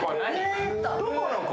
どこの子？